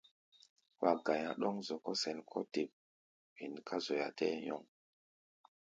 Wa ga̧i̧á̧ ɗɔ̌ŋ-zɔkɔ́ sɛn kɔ́ te wen ká zoya tɛɛ́ nyɔŋ.